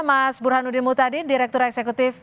mas burhanuddin mutadin direktur eksekutif